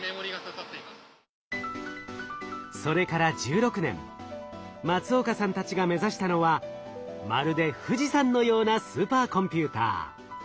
それから１６年松岡さんたちが目指したのはまるで富士山のようなスーパーコンピューター。